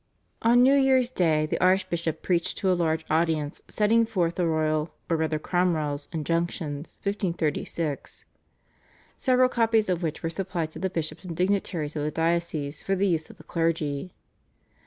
On New Year's Day the archbishop preached to a large audience setting forth the royal (or rather Cromwell's) Injunctions (1536), several copies of which were supplied to the bishops and dignitaries of the diocese for the use of the clergy.